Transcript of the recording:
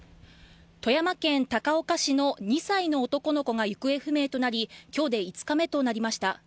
富山県高岡市の２歳の男の子が行方不明となり今日で５日目となりました。